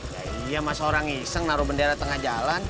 ya iya masa orang iseng naruh bendera tengah jalan